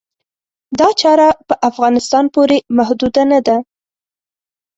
دا چاره په افغانستان پورې محدوده نه ده.